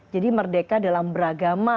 jadi merdeka dalam beragama